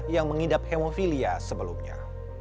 yang mengidap hemofilia sebelumnya